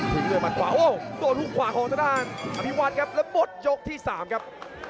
ถึงได้มัดขวาโอ้วต้นหู่ขวาของน้าท่านอภิวัฒน์แครบแล้วหมดยกที่๓ครับ